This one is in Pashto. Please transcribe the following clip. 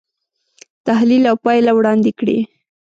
تحلیل او پایله وړاندې کړي.